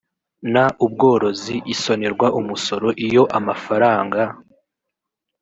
n ubworozi isonerwa umusoro iyo amafaranga